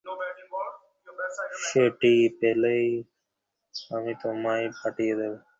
সেটি পেলেই আমি তোমায় পাঠিয়ে দেব।